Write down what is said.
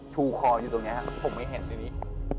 ชูคออยู่ตรงนี้ครับผมไม่เห็นอย่างนี้